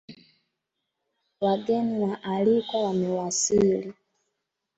Wageni waalikwa wamewasili